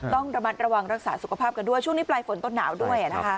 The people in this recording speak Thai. ต้องระมัดระวังรักษาสุขภาพกันด้วยช่วงนี้ปลายฝนต้นหนาวด้วยนะคะ